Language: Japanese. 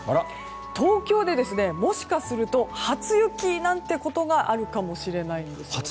東京でもしかすると初雪なんてことがあるかもしれないんです。